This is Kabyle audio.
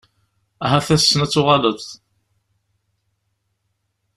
Ahat ass-n ad tuɣaleḍ.